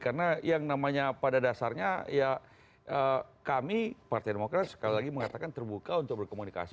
karena yang namanya pada dasarnya ya kami partai demokrat sekali lagi mengatakan terbuka untuk berkomunikasi